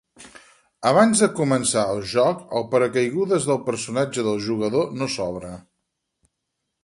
Abans de començar el joc, el paracaigudes del personatge del jugador no s'obre.